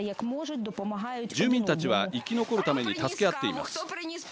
住民たちは生き残るために助け合っています。